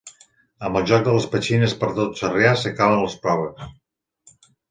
Amb el joc de les petxines per tot Sarrià s'acaben les proves.